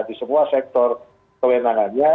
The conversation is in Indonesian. di semua sektor kewenangannya